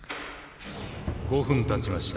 ５分たちました。